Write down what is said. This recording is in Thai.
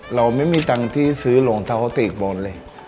เราไม่มีตังค์ที่ซื้อรองเท้าตีกบนเลย